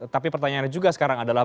tapi pertanyaannya juga sekarang adalah